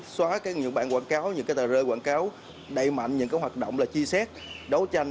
xóa những bản quảng cáo những tờ rơi quảng cáo đẩy mạnh những hoạt động là chi xét đấu tranh